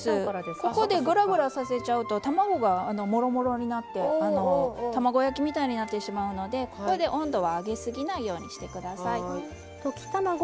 ここでグラグラさせちゃうと卵がもろもろになって卵焼きみたいになってしまうので温度は上げすぎないようにしてください。